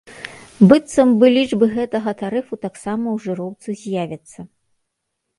Быццам бы, лічбы гэтага тарыфу таксама ў жыроўцы з'явяцца.